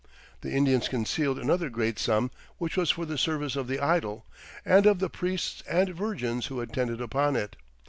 The Indians concealed another great sum which was for the service of the idol, and of the priests and virgins who attended upon it.